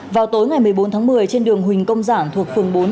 vào tối ngày một mươi bốn tháng một mươi trên đường huỳnh công giảng thuộc phường bốn